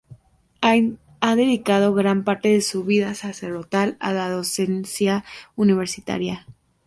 Ha dedicado gran parte de su vida sacerdotal a la docencia universitaria.